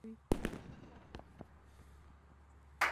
تر ټولو ښه خلک خاطرې او بد خلک درس درکوي.